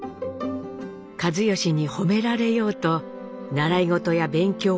一嚴に褒められようと習い事や勉強を頑張った貴教。